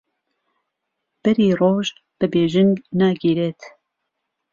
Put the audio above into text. بەری ڕۆژ بە بێژنگ ناگیرێت